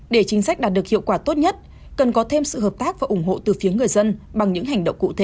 để chính sách đạt được hiệu quả tốt nhất cần có thêm sự hợp tác và ủng hộ từ phía người dân bằng những hành động cụ thể